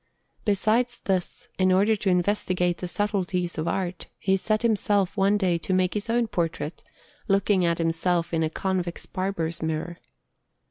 Besides this, in order to investigate the subtleties of art, he set himself one day to make his own portrait, looking at himself in a convex barber's mirror.